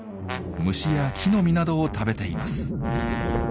虫や木の実などを食べています。